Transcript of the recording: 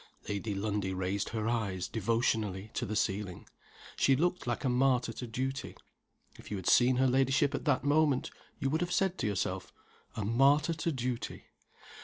Lady Lundie raised her eyes, devotionally, to the ceiling. She looked like a martyr to duty. If you had seen her ladyship at that moment, you would have said yourself, "A martyr to duty."